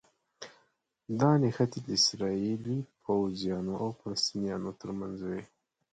دا نښتې د اسراییلي پوځیانو او فلسطینیانو ترمنځ وي.